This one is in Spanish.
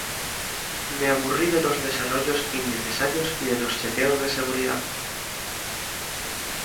Me aburrí de de los desarrollos innecesarios y de los chequeos de seguridad.